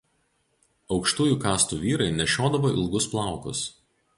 Aukštųjų kastų vyrai nešiodavo ilgus plaukus.